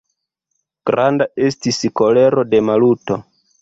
Granda estis kolero de Maluto.